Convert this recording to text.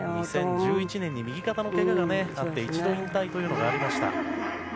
２０１１年に右肩のけががあって一度引退がありました。